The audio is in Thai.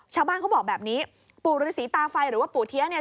ชาวบ้านเขาบอกแบบนี้ปู่ฤษีตาไฟหรือว่าปู่เทียเนี่ย